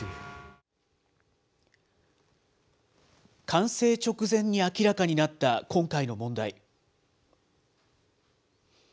完成直前に明らかになった今回の問題。